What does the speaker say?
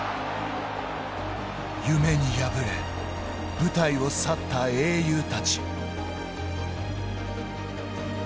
夢に敗れ舞台を去った英雄たち。